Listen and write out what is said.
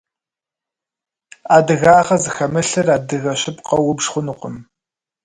Адыгагъэ зыхэмылъыр адыгэ щыпкъэу убж хъунукъым.